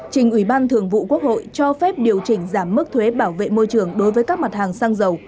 trình ủy ban thường vụ quốc hội cho phép điều chỉnh giảm mức thuế bảo vệ môi trường đối với các mặt hàng xăng dầu